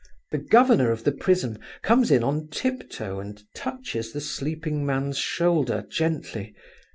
The governor of the prison comes in on tip toe and touches the sleeping man's shoulder gently.